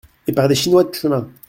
Et par des chinois de chemins.